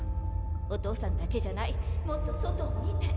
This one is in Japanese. お父さんだけじゃないもっと外を見て！